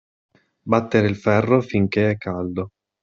Battere il ferro finché è caldo.